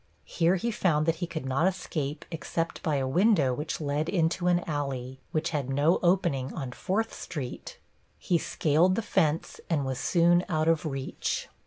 Here he found that he could not escape except by a window which led into an alley, which had no opening on 4th Street. He scaled the fence and was soon out of reach.